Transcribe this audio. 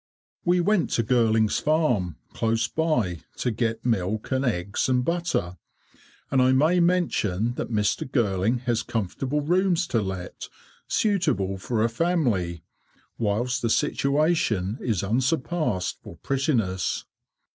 We went to Girling's farm, close by, to get milk, and eggs, and butter, and I may mention that Mr. Girling has comfortable rooms to let, suitable for a family, whilst the situation is unsurpassed for prettiness.